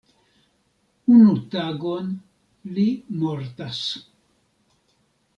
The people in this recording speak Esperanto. Unu tagon li mortas.